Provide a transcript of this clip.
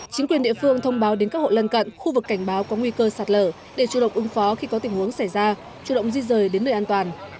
chính quyền địa phương thông báo đến các hộ lân cận khu vực cảnh báo có nguy cơ sạt lở để chủ động ứng phó khi có tình huống xảy ra chủ động di rời đến nơi an toàn